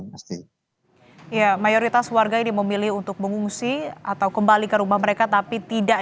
masjid ya mayoritas warga ini memilih untuk mengungsi atau kembali ke rumah mereka tapi tidak